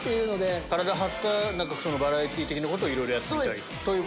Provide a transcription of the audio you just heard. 体張ったバラエティー的なことをいろいろやってみたいと。